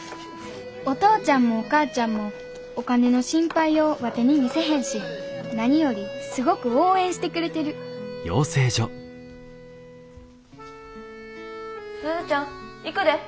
お父ちゃんもお母ちゃんもお金の心配をワテに見せへんし何よりすごく応援してくれてる鈴ちゃん行くで。